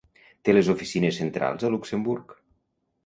Té les oficines centrals a Luxemburg.